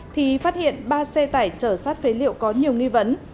thì phát hiện ba xe tải chở sát phế liệu có nhiều nghi vấn